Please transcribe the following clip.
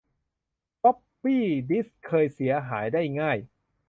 ฟอปปี้ดิสเคยเสียหายได้ง่าย